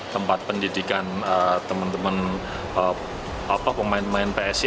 tempat pendidikan teman teman pemain pemain psi